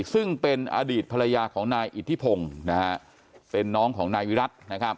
ซึ่งเป็นอดีตภรรยาของนายอิทธิพงศ์เป็นน้องของนายวิรัติ